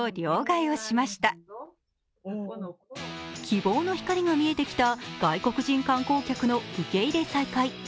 希望の光が見えてきた外国人観光客の受け入れ再開。